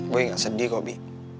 boy gak sedih kok bi